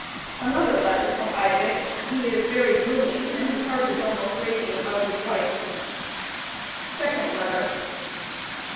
Another letter from Isaac. He is very gloomy and his heart is almost breaking about his wife. SECOND LETTER.